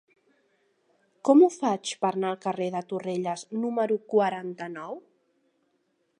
Com ho faig per anar al carrer de Torrelles número quaranta-nou?